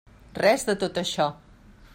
Res de tot això.